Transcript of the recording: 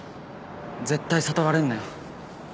絶対悟られんなよ